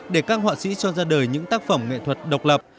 để các họa sĩ cho ra đời những tác phẩm nghệ thuật độc lập